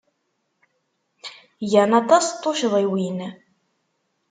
Gan aṭas n tuccḍiwin.